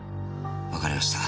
わかりました。